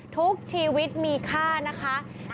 ทุกชีวิตมีค่านะคะ